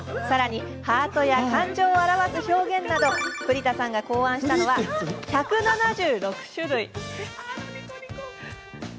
さらに、ハートや感情を表す表現など栗田さんが当初、考案したのは１７６種類。